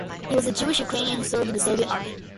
He was a Jewish Ukrainian who served in the Soviet Army.